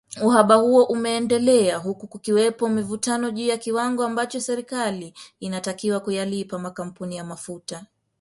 Uhaba huo umeendelea huku kukiwepo mivutano juu ya kiwango ambacho serikali inatakiwa kuyalipa makampuni ya mafuta.